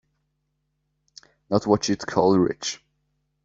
Not what you'd call rich.